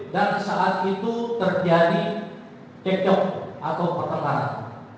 dan saat itu terjadi cekcok atau pertentangan